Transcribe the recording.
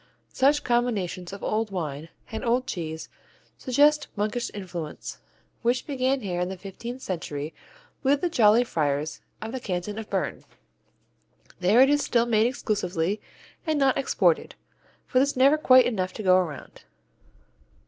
Such combinations of old wine and old cheese suggest monkish influence, which began here in the fifteenth century with the jolly friars of the Canton of Bern. There it is still made exclusively and not exported, for there's never quite enough to go around.